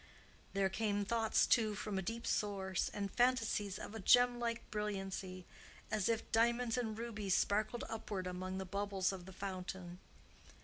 There came thoughts, too, from a deep source, and fantasies of a gemlike brilliancy, as if diamonds and rubies sparkled upward among the bubbles of the fountain.